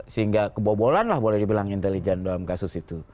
sehingga kebobolan lah boleh dibilang intelijen dalam kasus itu